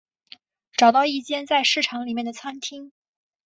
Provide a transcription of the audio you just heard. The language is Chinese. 找到一间在市场里面的餐厅